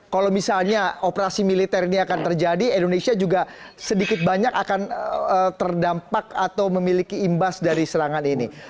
kalau misalnya operasi militer ini akan terjadi indonesia juga sedikit banyak akan terdampak atau memiliki imbas dari serangan ini